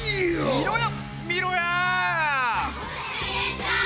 見ろや！